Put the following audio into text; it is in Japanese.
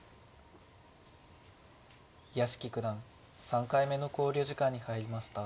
屋敷九段３回目の考慮時間に入りました。